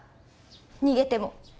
逃げても。